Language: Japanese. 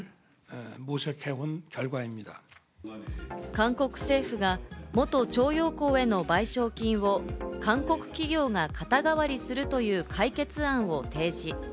韓国政府が元徴用工への賠償金を韓国企業が肩代わりするという解決案を提示。